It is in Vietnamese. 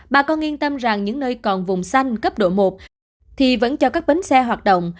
bà con yên tâm rằng những nơi còn vùng xanh cấp độ một thì vẫn cho các bến xe hoạt động